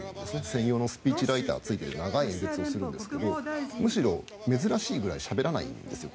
専用のスピーチライターがついて長い演説をするんですけどむしろ珍しいくらいしゃべらないんですよ